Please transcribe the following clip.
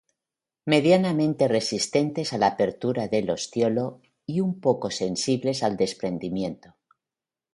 Medianamente resistentes a la apertura del ostiolo, y poco sensibles al desprendimiento.